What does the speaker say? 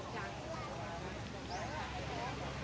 สวัสดีสวัสดี